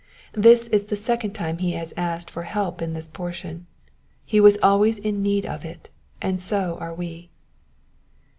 This is the second time he has asked for help in this portion ; he was always in need of it, and so are we.